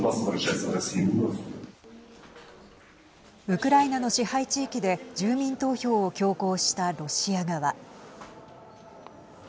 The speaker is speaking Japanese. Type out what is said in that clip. ウクライナの支配地域で住民投票を強行したロシア側。